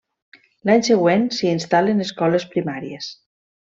L'any següent s'hi instal·len escoles primàries.